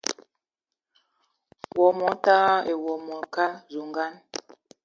Wo motara ayi wo mokal zugan